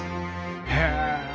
へえ！